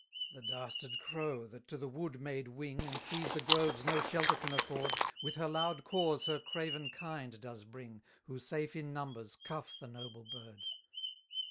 87 The dastard crow that to the wood made wing, And sees the groves no shelter can afford, With her loud caws her craven kind does bring, Who, safe in numbers, cuff the noble bird.